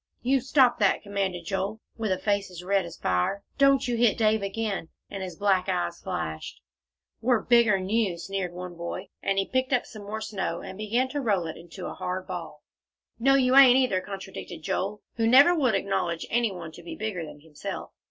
"You stop that!" commanded Joel, with a face as red as fire. "Don't you hit Dave again," and his black eyes flashed. "We're bigger'n you," sneered one boy, and he picked up some more snow, and began to roll it into a hard ball. "No, you ain't, either," contradicted Joel, who never would acknowledge any one to be bigger than himself.